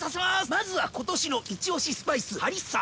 まずは今年のイチオシスパイスハリッサ！